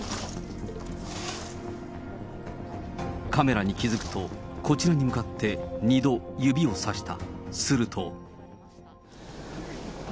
カメラに気付くと、こちらに向かって２度指をさした。